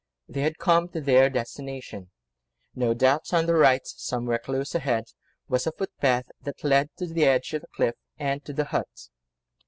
They had come to their destination. No doubt on the right, somewhere close ahead, was the footpath that led to the edge of the cliff and to the hut.